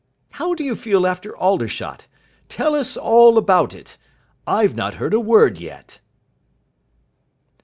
How do you feel after Aldershot? Tell us all about it. I've not heard a word yet."